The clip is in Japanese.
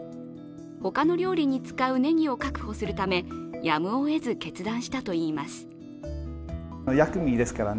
他の料理に使うねぎを確保するため、やむをえず決断したといいます。